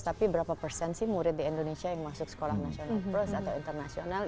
tapi berapa persen sih murid di indonesia yang masuk sekolah nasional pros atau internasional